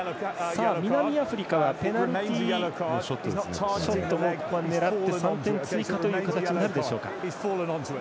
南アフリカはペナルティショットをここは狙って３点追加という形になるでしょうか。